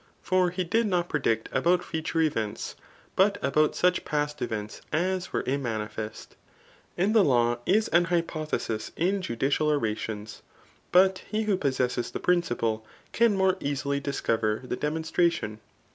For he did not predict about future events, but about such past events as were immanifest. And the law is an bypodiesis in judicial orations ; but he who possesses the principle, can more easily discover the demonstration.